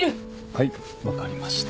はいわかりました。